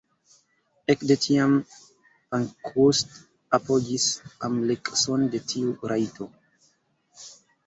Ekde tiam, Pankhurst apogis amplekson de tiu rajto.